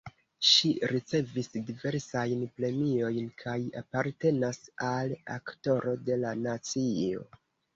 Ŝi ricevis diversajn premiojn kaj apartenas al Aktoro de la nacio.